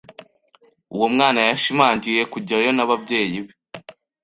Uwo mwana yashimangiye kujyayo n'ababyeyi be.